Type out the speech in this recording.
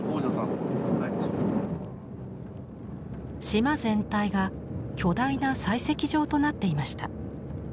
島全体が巨大な採石場となっていました。